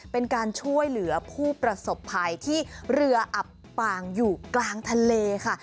เป็นการช่วยเหลือผู้ประสบภัยที่เรืออับปางอยู่กลางทะเลค่ะ